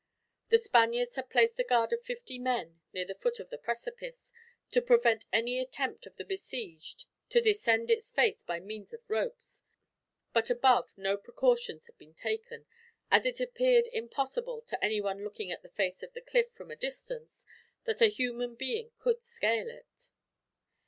The Spaniards had placed a guard of fifty men near the foot of the precipice, to prevent any attempt of the besieged to descend its face by means of ropes; but above no precautions had been taken, as it appeared impossible, to anyone looking at the face of the cliff from a distance, that a human being could scale it.